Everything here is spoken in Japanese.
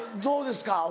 どうですか？